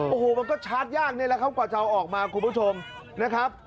โอ้โหมันก็ชาร์จยากนี่แหละครับกว่าจะเอาออกมาคุณผู้ชมนะครับ